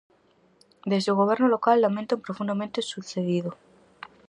Desde o goberno local lamentan profundamente o sucedido.